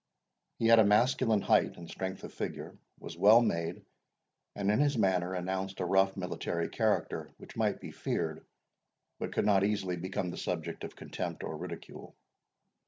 He had a masculine height and strength of figure, was well made and in his manner announced a rough military character, which might be feared, but could not easily become the object of contempt or ridicule.